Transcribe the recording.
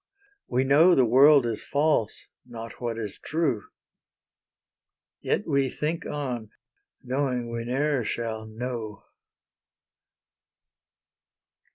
We know the world is false, not what is true. Yet we think on, knowing we ne'er shall know.